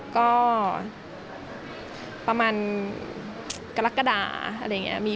ก็ประมาณกระดักกระด่าอะไรอย่างนี้